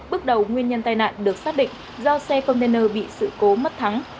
bước đầu nguyên nhân tai nạn được xác định do xe container bị sự cố mất thắng